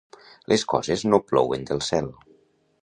Les coses no plouen del cel.